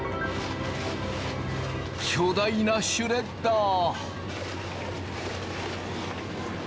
巨大なシュレッダー！